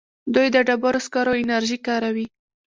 دوی د ډبرو سکرو انرژي کاروي.